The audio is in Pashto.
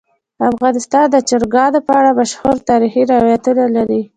افغانستان د چرګان په اړه مشهور تاریخی روایتونه لري.